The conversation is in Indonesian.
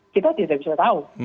kita tidak bisa tahu